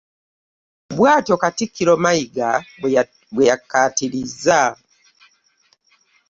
Bwatyo Katikkiro Mayiga bwe yakkaatirizza.